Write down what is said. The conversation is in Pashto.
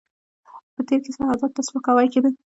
په تېر کې سرحداتو ته سپکاوی کېده.